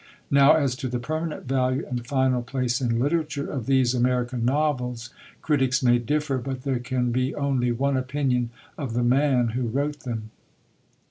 Now as to the permanent value and final place in literature of these American novels, critics may differ; but there can be only one opinion of the man who wrote them.